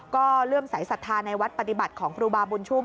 ก็เริ่มสายศรัทธาในวัดปฏิบัติของครูบาบุญชุ่ม